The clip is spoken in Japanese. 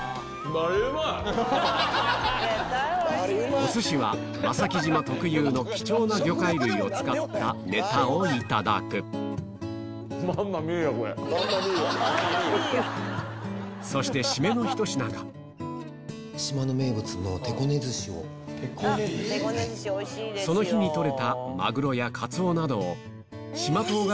お寿司は間崎島特有の貴重な魚介類を使ったネタをいただくそしてその日にとれたマグロやカツオなどを漬け込んだ